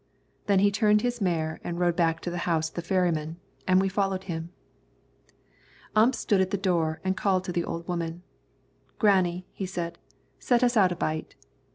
Then he turned his mare and rode back to the house of the ferrymen, and we followed him. Ump stopped at the door and called to the old woman. "Granny," he said, "set us out a bite."